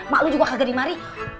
mak lo juga kagak dimari